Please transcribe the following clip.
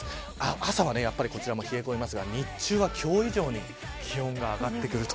朝はやっぱりこちらも冷え込みますが日中は今日以上に気温が上がってくると。